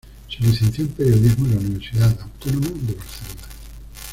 Se licenció en Periodismo en la Universidad Autónoma de Barcelona.